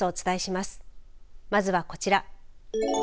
まずはこちら。